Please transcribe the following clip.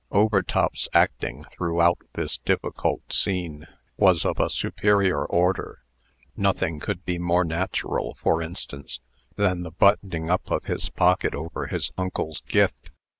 ] Overtop's acting, throughout this difficult scene, was of a superior order. Nothing could be more natural, for instance, than the buttoning up of his pocket over his uncle's gift.